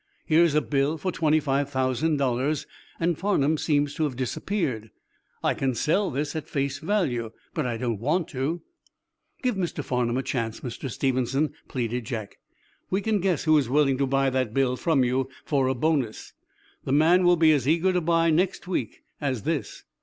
"Here's a bill for twenty five thousand dollars, and Farnum seems to have disappeared. I can sell this at face value, but I don't want to." "Give Mr. Farnum a chance, Mr. Stevenson," pleaded Jack. "We can guess who is willing to buy that bill from you for a bonus. The man will be as eager to buy next week as this."